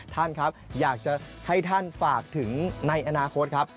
ท่านครับอยากจะให้ท่านฝากถึงในอนาคตครับ